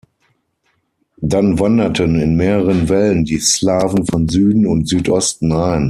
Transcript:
Dann wanderten in mehreren Wellen die Slawen von Süden und Südosten ein.